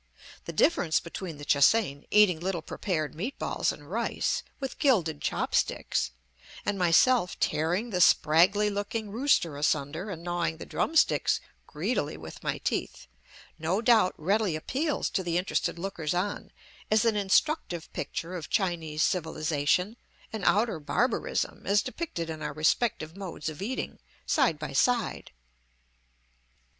The difference between the Che hsein, eating little prepared meatballs and rice, with gilded chop sticks, and myself tearing the spraggly looking rooster asunder and gnawing the drum sticks greedily with my teeth, no doubt readily appeals to the interested lookers on as an instructive picture of Chinese civilization and outer barbarism as depicted in our respective modes of eating, side by side.